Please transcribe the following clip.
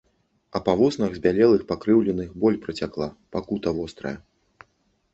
А па вуснах збялелых, пакрыўленых боль працякла, пакута вострая.